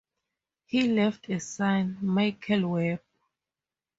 He left a son, Michael Webb.